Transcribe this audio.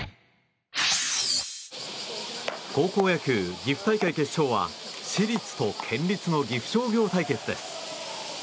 高校野球、岐阜大会決勝は市立と県立の岐阜商業対決です。